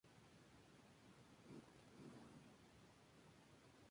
Mitra literalmente, creció con la música, su padre es profesor de música.